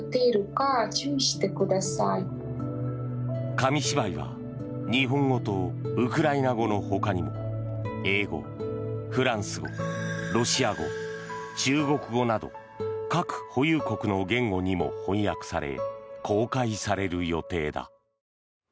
紙芝居は日本語とウクライナ語のほかにも英語、フランス語、ロシア語中国語など核保有国の言語にも翻訳され公開される予定だ。